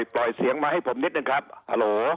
ปล่อยเสียงมาให้ผมนิดนึงครับฮัลโหล